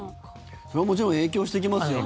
それはもちろん影響してきますよね。